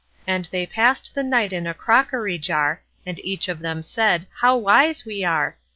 And they pass'd the night in a crockery jar; And each of them said, "How wise we are!